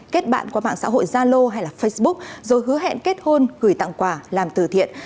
kết bạn qua mạng xã hội zalo hay facebook rồi hứa hẹn kết hôn gửi tặng quà làm từ thiện